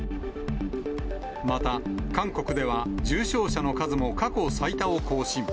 また、韓国では重症者の数も過去最多を更新。